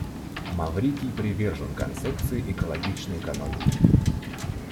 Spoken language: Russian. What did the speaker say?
Маврикий привержен концепции экологичной экономики.